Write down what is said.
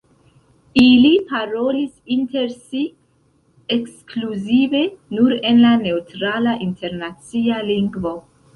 Ili parolis inter si ekskluzive nur en la neŭtrala internacia lingvo.